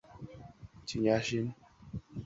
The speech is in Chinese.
苞片狸藻为狸藻属中型似多年生食虫植物。